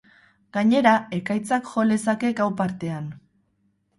Gainera, ekaitzak jo lezake gau partean.